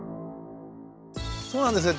そうなんですよ。